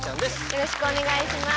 よろしくお願いします。